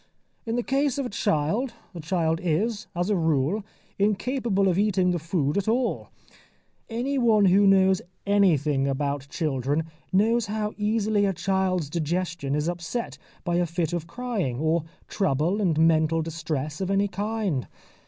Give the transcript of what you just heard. In the case of a child, the child is, as a rule, incapable of eating the food at all. Anyone who knows anything about children knows how easily a child's digestion is upset by a fit of crying, or trouble and mental distress of any kind.